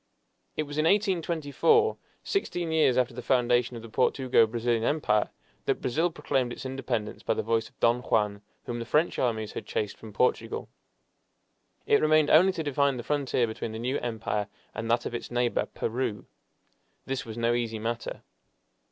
It was in 1824, sixteen years after the foundation of the Portugo Brazilian Empire, that Brazil proclaimed its independence by the voice of Don Juan, whom the French armies had chased from Portugal. It remained only to define the frontier between the new empire and that of its neighbor, Peru. This was no easy matter.